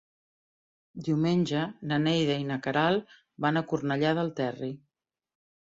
Diumenge na Neida i na Queralt van a Cornellà del Terri.